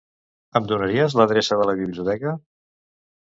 Em donaries l'adreça de la biblioteca?